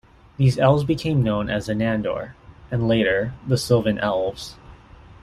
These elves became known as the Nandor and later the Silvan Elves.